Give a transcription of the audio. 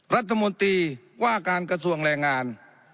รัฐมนตรีว่าการกระทรวงแรงงาน